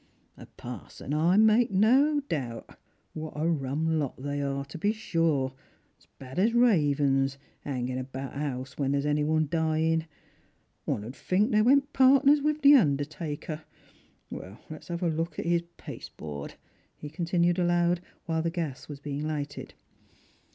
" A parson, I make no doubt. What a rum lot they are, to be sure ! as bad as ravens— hanging about a house where there's any one dying. One would think they went pardners with the undertaker. Let's have a look at his pasteboard," he continued aloud, while the gas was being lighted.